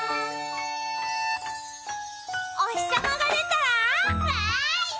「おひさまがでたらわーい！